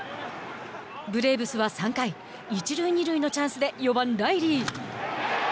ブレーブスは３回一塁二塁のチャンスで４番ライリー。